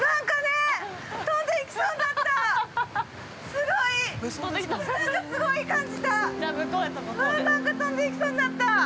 風すごい感じた。